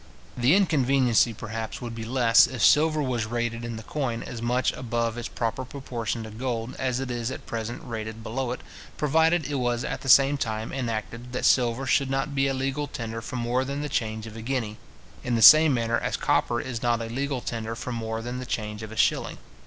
The inconveniency, perhaps, would be less, if silver was rated in the coin as much above its proper proportion to gold as it is at present rated below it, provided it was at the same time enacted, that silver should not be a legal tender for more than the change of a guinea, in the same manner as copper is not a legal tender for more than the change of a shilling.